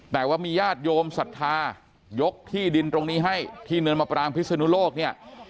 แต่ว่ามีญาติโยมศรัทธายกที่ดินตรงนี้ให้ที่เนินมะปรางพิศนุโลกเนี่ย